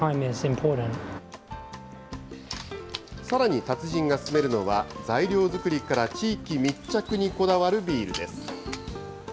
さらに達人が薦めるのは、材料作りから地域密着にこだわるビールです。